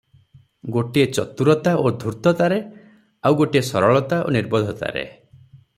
ଗୋଟିଏ ଚତୁରତା ଓ ଧୂର୍ତ୍ତତାରେ, ଆଉ ଗୋଟିଏ ସରଳତା ଓ ନିର୍ବୋଧତାରେ ।